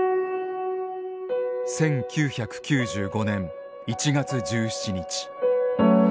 １９９５年１月１７日。